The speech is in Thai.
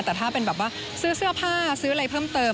แต่ถ้าเป็นแบบว่าซื้อเสื้อผ้าซื้ออะไรเพิ่มเติม